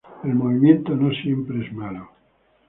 El movimiento no siempre es malo.